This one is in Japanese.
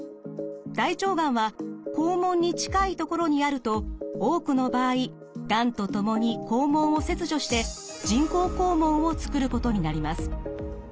大腸がんは肛門に近い所にあると多くの場合がんと共に肛門を切除して人工肛門を作ることになります。